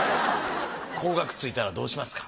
高額ついたらどうしますか？